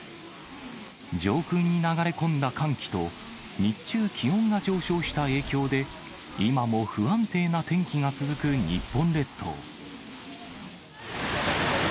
上空に流れ込んだ寒気と、日中、気温が上昇した影響で、今も不安定な天気が続く日本列島。